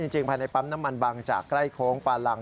จริงภายในปั๊มน้ำมันบางจากใกล้โค้งปาลัง